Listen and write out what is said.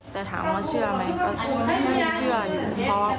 แต่ถามว่าเชื่อไหมก็เชื่ออยู่